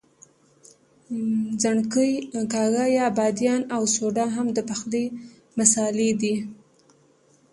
ځڼکۍ، کاږه یا بادیان او سوډا هم د پخلي مسالې دي.